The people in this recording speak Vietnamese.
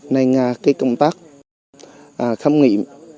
nên công tác khám nghị